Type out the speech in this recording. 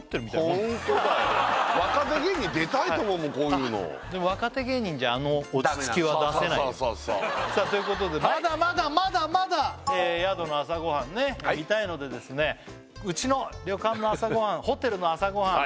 ホントだよ若手芸人出たいと思うもんこういうのでも若手芸人じゃさあということでまだまだまだまだ宿の朝ごはんね見たいのでうちの旅館の朝ごはんホテルの朝ごはん